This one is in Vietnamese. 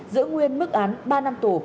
giữ nguyên mức án ba năm tù